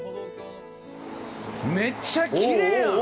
めっちゃきれいやん！